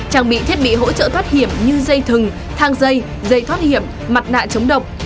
trang bị thiết bị hỗ trợ thoát hiểm như dây thừng thang dây dây thoát hiểm mặt nạ chống độc